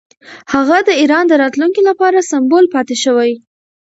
هغه د ایران د راتلونکي لپاره سمبول پاتې شوی.